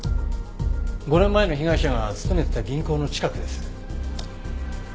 ５年前の被害者が勤めてた銀行の近くです。